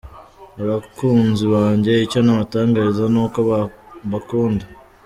Abakunzi banjye icyo nabatangariza ni uko mbakunda.